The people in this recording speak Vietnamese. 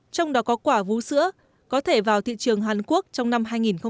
trong đó có quả vú sữa có thể vào thị trường hàn quốc trong năm hai nghìn hai mươi